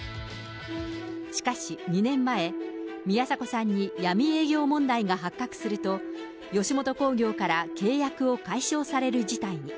しかし２年前、宮迫さんに闇営業問題が発覚すると、吉本興業から契約を解消される事態に。